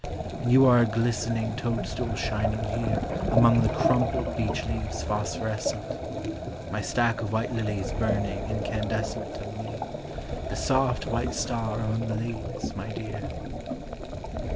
And you are a glistening toadstool shining here Among the crumpled beech leaves phosphorescent, My stack of white lilies burning incandescent Of me, a soft white star among the leaves, my dear.